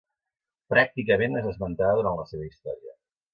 Pràcticament no és esmentada durant la seva història.